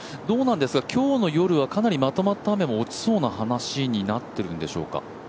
今日の夜はかなりまとまった雨も落ちそうな話になってるんでしょうか？